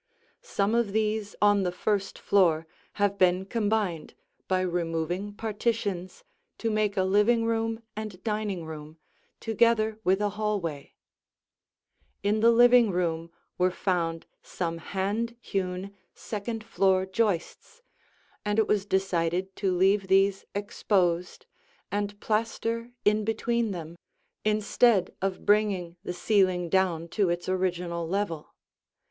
Some of these on the first floor have been combined by removing partitions to make a living room and dining room, together with a hallway. [Illustration: The Pergola Porch] In the living room were found some hand hewn, second floor joists, and it was decided to leave these exposed and plaster in between them, instead of bringing the ceiling down to its original level.